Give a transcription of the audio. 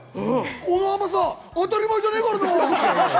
この甘さ、当たり前じゃねぇからな！